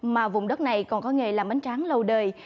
mà vùng đất này còn có nghề làm bánh tráng lâu đời